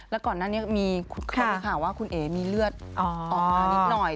แล้วก่อนหน้านี้มีคนมีข่าวว่าคุณเอ๋มีเลือดออกมานิดหน่อย